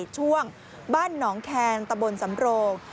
ช่วงบ้านหนองแคนตะบนสำโรง